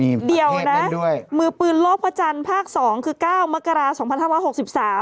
อันเดียวนะมือปืนรอบพระจันทร์ภาค๒คือ๙มกราศภาษาภาค๖๓